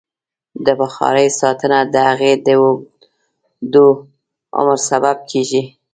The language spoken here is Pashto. د بخارۍ ساتنه د هغې د اوږد عمر سبب کېږي.